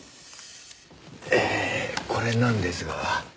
えーこれなんですが。